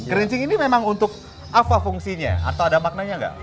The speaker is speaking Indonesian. kerincing ini memang untuk apa fungsinya atau ada maknanya nggak